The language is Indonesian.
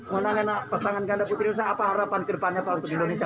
masuknya pasangan kandang kandang apa harapan kedepannya pak untuk indonesia